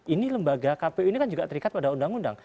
ini lembaga kpu ini kan juga terikat pada undang undang